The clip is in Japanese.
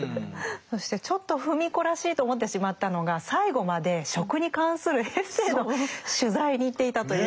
そしてちょっと芙美子らしいと思ってしまったのが最後まで食に関するエッセーの取材に行っていたということ。